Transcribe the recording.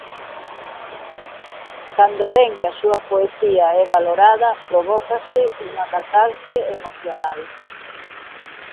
Cando ven que a súa poesía é valorada provócase unha catarse emocional.